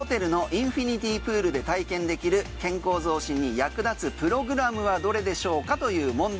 ＳＯＲＡＮＯＨＯＴＥＬのインフィニティプールで体験できる健康増進に役立つプログラムはどれでしょうかという問題。